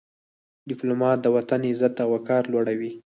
ډيپلومات د وطن عزت او وقار لوړوي.